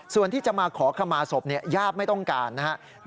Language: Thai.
ส่วนที่จะมาขอขมาศพญาติไม่ต้องการนะครับ